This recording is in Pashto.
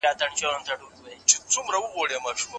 په سياسي قدرت کي شريکېدل د سياستپوهني برخه ده.